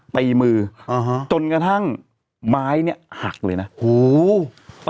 ตีมือจนกระทั่งไม้เนี่ยหักเลยนะ